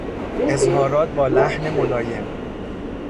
اظهارات با لحن ملایم